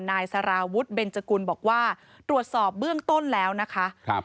นายสารวุฒิเบนจกุลบอกว่าตรวจสอบเบื้องต้นแล้วนะคะครับ